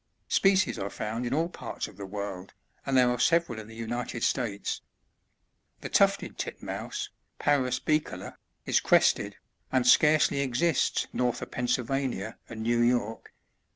Species are found in all parts of the world, and there are several in the United States. The Tufted Titmouse, — Parvs bicolor, — is crested, and scarcely exists north of Pennsylvania, and New York.